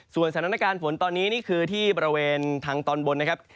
สถานการณ์ฝนตอนนี้นี่คือที่บริเวณทางตอนบนนะครับ